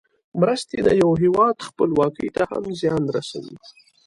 مرستې د یو هېواد خپلواکۍ ته هم زیان رسوي.